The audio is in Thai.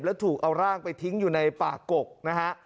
แล้วถูกเอาร่างไปทิ้งอยู่ในป่ากกนะฮะ